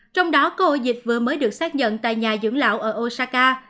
trong đó có ổ dịch vừa mới được xác nhận tại nhà dưỡng lão ở osaka